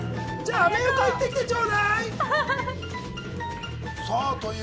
アメ横行ってきてちょうだい。